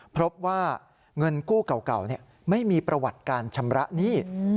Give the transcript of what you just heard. พบว่าเงินกู้เก่าไม่มีประวัติการชำระหนี้